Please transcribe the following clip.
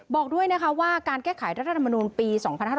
บอกด้วยนะคะว่าการแก้ไขรัฐธรรมนูลปี๒๕๕๙